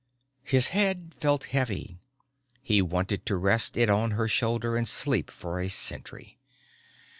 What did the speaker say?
His head felt heavy, he wanted to rest it on her shoulder and sleep for a century.